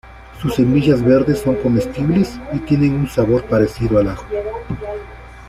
Sus semillas verdes son comestibles y tienen un sabor parecido al ajo.